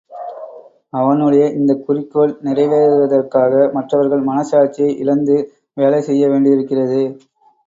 அவனுடைய இந்தக் குறிக்கோள் நிறைவேறுவதற்காக மற்றவர்கள் மனசாட்சியை இழந்து வேலைசெய்ய வேண்டியிருக்கிறதே?